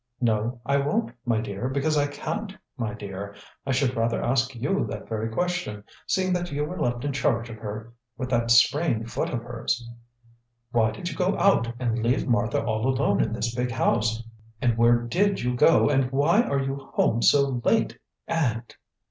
"No, I won't, my dear, because I can't, my dear. I should rather ask you that very question, seeing that you were left in charge of her with that sprained foot of hers. Why did you go out and leave Martha all alone in this big house, and where did you go, and why are you home so late, and